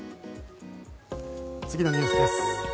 次のニュースです。